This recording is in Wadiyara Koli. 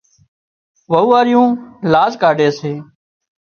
وئوئاريون لاز ڪاڍي سي